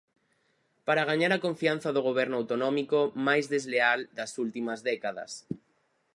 Para gañar a confianza do Goberno autonómico máis desleal das últimas décadas.